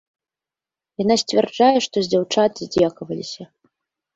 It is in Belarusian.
Яна сцвярджае, што з дзяўчат здзекаваліся.